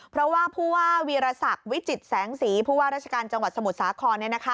เพราะว่าผู้ว่าวีรศักดิ์วิจิตแสงสีผู้ว่าราชการจังหวัดสมุทรสาคร